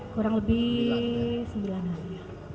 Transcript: kurang lebih sembilan hari